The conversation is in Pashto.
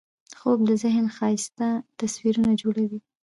خوب د ذهن ښایسته تصویرونه جوړوي